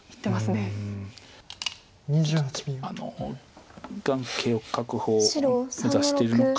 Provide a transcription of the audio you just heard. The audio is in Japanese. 眼形を確保を目指してるのか。